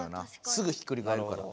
すぐひっくり返るから。